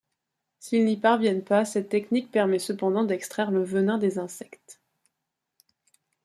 S'il n'y parviennent pas, cette technique permet cependant d'extraire le venin des insectes.